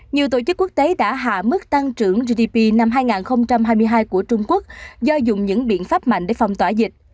nhiều tổ chức quốc tế đã hạ mức tăng trưởng gdp năm hai nghìn hai mươi hai của trung quốc do dùng những biện pháp mạnh để phong tỏa dịch